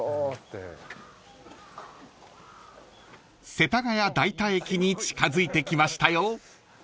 ［世田谷代田駅に近づいてきましたよ］